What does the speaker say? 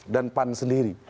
dan pan sendiri